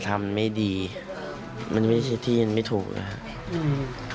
ทำไม่ดีมันไม่ใช่ที่มันไม่ถูกนะครับอืม